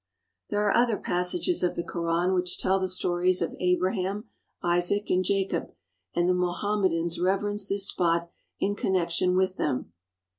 There are other passages of the Koran which tell the stories of Abraham, Isaac, and Jacob, and the Moham medans reverence this spot in connection with them.